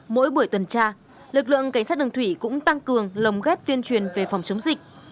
mỗi buổi tuần tra lực lượng cảnh sát đường thủy cũng tăng cường lồng ghép tuyên truyền về phòng chống dịch